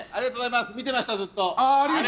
見てました、ずっと。